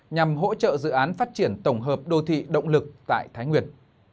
nhằm hỗ trợ dự án phát triển tổng hợp đô thị động lực tại thái nguyên